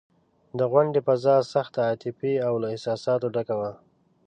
د غونډې فضا سخته عاطفي او له احساساتو ډکه وه.